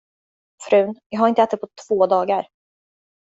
Frun, jag har inte ätit på två dagar.